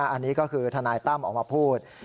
อันนี้ก็คือทนายตั้มออกมาพูด